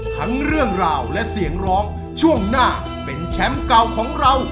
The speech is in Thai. ทั้งเรื่องราวและเสียงร้องช่วงหน้าเป็นแชมป์เก่าของเรา